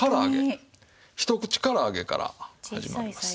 ひと口から揚げから始まります。